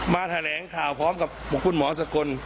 มาแถลงข่าวพร้อมกับสมบุคคลหมอสกล